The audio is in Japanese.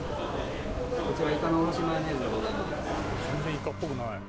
こちらイカのおろしマヨネーズでございます